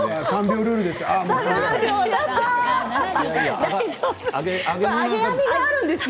３秒ルールです。